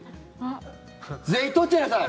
全員取っちゃいなさい！